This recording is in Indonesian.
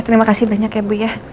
terima kasih banyak ya bu ya